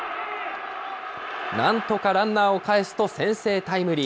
なんとかランナーをかえすと先制タイムリー。